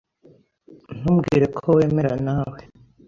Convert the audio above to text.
Ntumbwire ko wemera nawe .